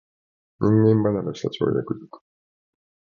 人間離れした跳躍力